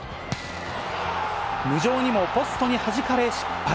無情にもポストにはじかれ、失敗。